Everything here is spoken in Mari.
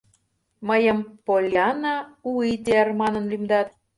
— Мыйым Поллианна Уиттиер манын лӱмдат.